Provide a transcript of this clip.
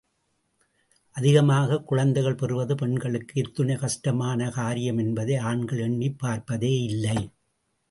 அதிகமாகக் குழந்தைகள் பெறுவது பெண்களுக்கு எத்துணைக்கஷ்டமான காரியம் என்பதை ஆண்கள் எண்ணிப் பார்ப்பதேயில்லை.